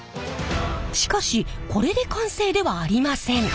しかしこれで完成ではありません。